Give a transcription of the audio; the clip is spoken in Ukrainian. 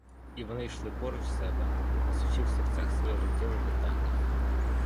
І вони йшли поруч себе, несучи в серцях своє життєве питання.